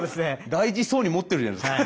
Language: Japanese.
大事そうに持ってるじゃないですか。